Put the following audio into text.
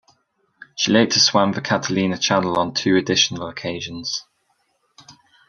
She later swam the Catalina channel on two additional occasions.